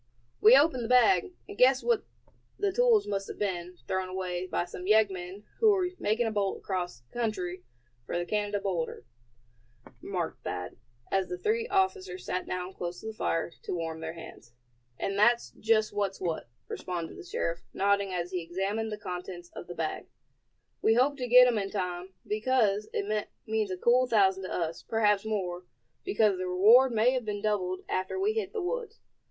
"We opened the bag, and guessed that the tools must have been thrown away by some yeggmen who were making a bolt across country for the Canada border," remarked Thad, as the three officers sat down close to the fire to warm their hands. "And that's just what's what," responded the sheriff, nodding as he examined the contents of the bag. "We hope to get 'em in time, because it means a cool thousand to us, perhaps more, because the reward may have been doubled after we hit the woods.